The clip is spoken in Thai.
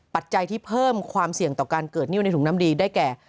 ปัจจัยที่เพิ่มความเสี่ยงต่อการเกิดนิ้วในถุงน้ำดีได้แก่